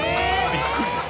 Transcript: びっくりです。